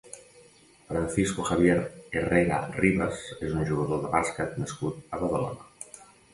Francisco Javier Herrera Rivas és un jugador de bàsquet nascut a Badalona.